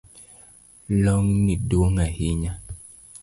Long’ni duong’ ahinya